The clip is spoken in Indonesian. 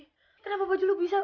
kenapa baju lu bisa